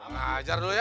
ngajar dulu ya